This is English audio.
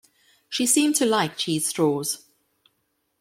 She seemed to like cheese straws.